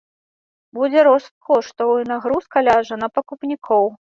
Будзе рост коштаў і нагрузка ляжа на пакупнікоў.